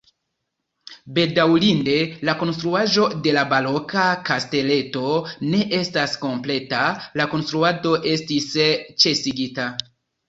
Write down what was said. Bedaŭrinde la konstruaĵo de la baroka kasteleto ne estas kompleta, la konstruado estis ĉesigita.